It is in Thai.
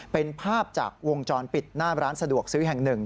เป็นภาพจากวงจรปิดหน้าร้านสะดวกซื้อแห่งหนึ่ง